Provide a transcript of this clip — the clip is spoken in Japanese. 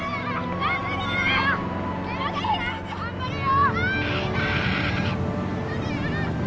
頑張れよ！